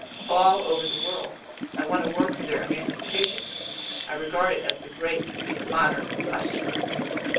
"All over the world. I want to work for their emancipation. I regard it as the great modern question."